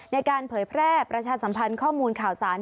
เผยแพร่ประชาสัมพันธ์ข้อมูลข่าวสาร